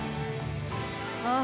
ああ。